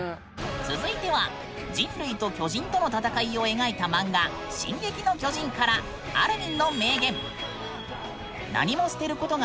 続いては人類と巨人との戦いを描いた漫画「進撃の巨人」からいやいや。